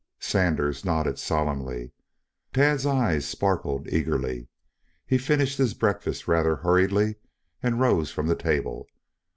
Sanders nodded solemnly. Tad's eyes sparkled eagerly. He finished his breakfast rather hurriedly and rose from the table.